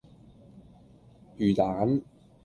魚蛋